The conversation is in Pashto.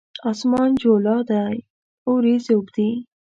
اسمان جولا دی اوریځې اوبدي